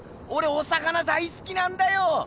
お魚大すきなんだよ。